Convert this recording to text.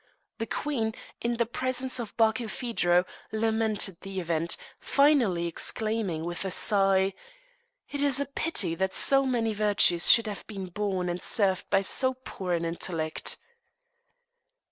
The queen, in the presence of Barkilphedro, lamented the event, finally exclaiming, with a sigh, "It is a pity that so many virtues should have been borne and served by so poor an intellect."